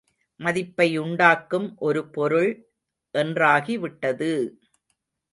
மதிப்பை உண்டாக்கும் ஒரு பொருள் என்றாகி விட்டது!